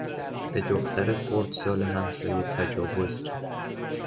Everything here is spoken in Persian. به دختر خردسال همسایه تجاوز کرد.